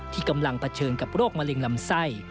ที่กำลังเผชิญกับโรคมะเร็งลำไส้